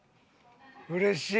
うれしい！